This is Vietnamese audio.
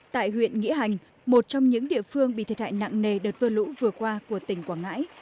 tại huyện nghĩa hành một trong những địa phương bị thiệt hại nặng nề đợt mưa lũ vừa qua của tỉnh quảng ngãi